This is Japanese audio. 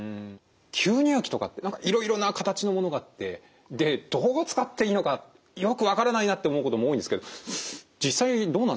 吸入器とかって何かいろいろな形のものがあってでどう使っていいのかよく分からないなって思うことも多いんですけど実際どうなんですか